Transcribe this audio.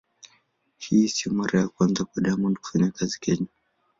Hii sio mara ya kwanza kwa Diamond kufanya kazi Kenya.